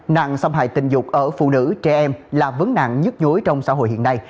nạn xâm hại tình dục ở phụ nữ trẻ em là vấn nạn nhất nhối trong xã hội hiện nay